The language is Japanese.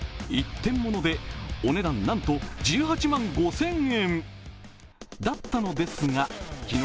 １点ものでお値段なんと１８万５０００円。